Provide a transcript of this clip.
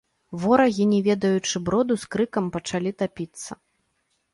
Ворагі, не ведаючы броду, з крыкам пачалі тапіцца.